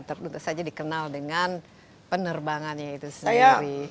tentu saja dikenal dengan penerbangannya itu sendiri